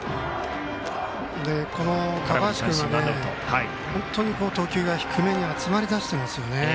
高橋君は本当に投球が低めに集まりだしていますね。